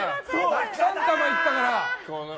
３玉いったから。